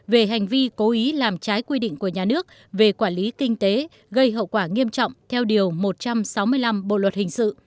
về hành vi cố ý làm trái quy định của nhà nước về quản lý kinh tế gây hậu quả nghiêm trọng theo điều một trăm sáu mươi năm bộ luật hình sự